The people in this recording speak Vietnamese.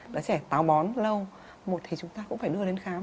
đứa trẻ táo bón lâu một thì chúng ta cũng phải đưa đến khám